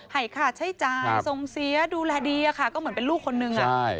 ให้ค่าใช้จ่ายทรงเสียดูแลดีอะค่ะก็เหมือนเป็นลูกคนนึง